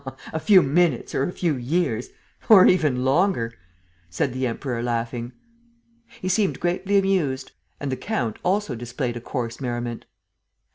"A few minutes or a few years ... or even longer!" said the Emperor, laughing. He seemed greatly amused; and the count also displayed a coarse merriment.